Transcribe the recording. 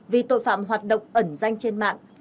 vì tội phạm hoạt động ẩn danh trên mạng